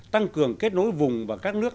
tăng cường kết nối vùng và các nước